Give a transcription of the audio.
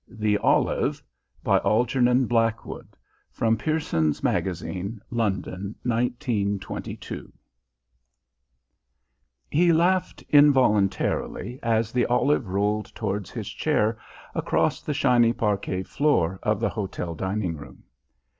THE OLIVE By ALGERNON BLACKWOOD (From Pearson's Magazine, London) 1922 He laughed involuntarily as the olive rolled towards his chair across the shiny parquet floor of the hotel dining room.